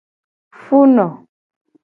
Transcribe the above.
Funu.